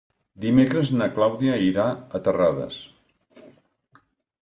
Dimecres na Clàudia irà a Terrades.